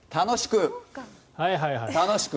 楽しく。